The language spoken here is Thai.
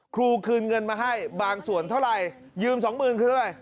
ครูคืนเงินมาให้บางส่วนเท่าไหร่ยืม๒เมืองคืออะไร